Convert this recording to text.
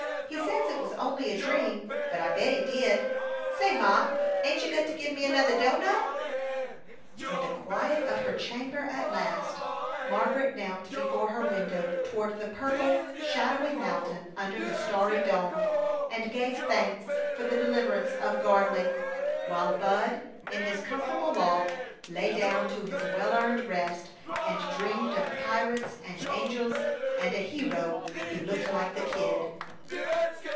He says it was only a dream, but I bet he did. Say, Ma, ain't you gonta give me another doughnut?" In the quiet of her chamber at last, Margaret knelt before her window toward the purple, shadowy mountain under the starry dome, and gave thanks for the deliverance of Gardley; while Bud, in his comfortable loft, lay down to his well earned rest and dreamed of pirates and angels and a hero who looked like the Kid.